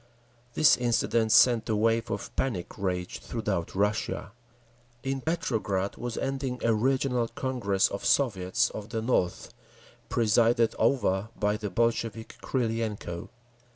This incident sent a wave of panic rage throughout Russia…. In Petrograd was ending a regional Congress of Soviets of the North, presided over by the Bolshevik Krylenko.